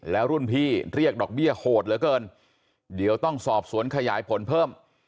แล้วรุ่นพี่เรียกดอกเบี้ยโหดเหลือเกินเดี๋ยวต้องสอบสวนขยายผลเพิ่ม